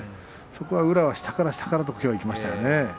そこは宇良は下から下からいきましたね。